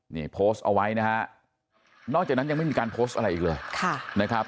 นี่โพสต์เอาไว้นะฮะนอกจากนั้นยังไม่มีการโพสต์อะไรอีกเลยนะครับ